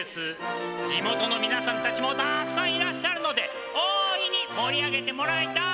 地元のみなさんたちもたっくさんいらっしゃるので大いに盛り上げてもらいたい。